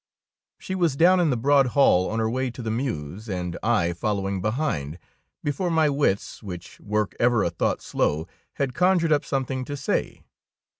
She was down in the broad hall on her way to the mews, and I following behind, before my wits, which work ever a thought slow, had conjured up something to say.